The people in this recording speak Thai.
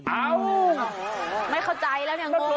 อ้าวไม่เข้าใจแล้วเนี่ยงงงเลยแค่